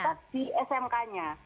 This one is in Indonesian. fasilitas di smk nya